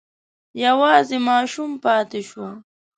یوازې ماشوم پاتې شو.